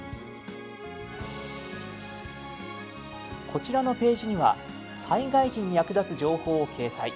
こちらのページには災害時に役立つ情報を掲載。